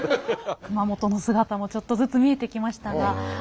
熊本の姿もちょっとずつ見えてきましたが。